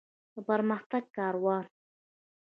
د پرمختګ کاروان.